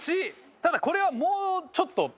ただこれはもうちょっと別の。